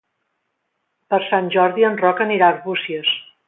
Per Sant Jordi en Roc anirà a Arbúcies.